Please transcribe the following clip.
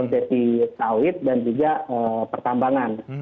sesi sawit dan juga pertambangan